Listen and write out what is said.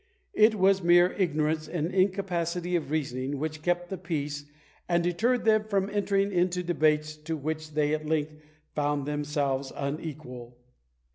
It was mere ignorance and incapacity of reasoning which kept the peace, and deterred them from entering into debates to which they at length found themselves unequal!